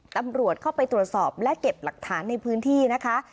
ตำรวจเข้าไปตรวจสอบและเก็บหลักฐานในพื้นที่นะคะ